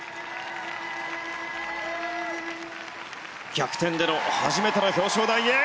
逆転での初めての表彰台へ。